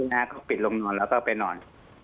เราก็ปิดลงนอนก็ไปนอน